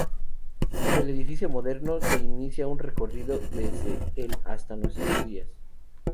En el edificio moderno se inicia un recorrido desde el hasta nuestros días.